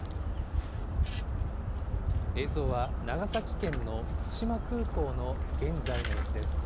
映像は長崎県の対馬空港の現在の様子です。